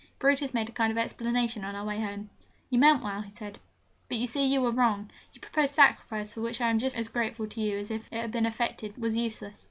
Brutus made a kind of explanation on our way home: 'You meant well,' he said, 'but you see you were wrong. Your proposed sacrifice, for which I am just as grateful to you as if it had been effected, was useless.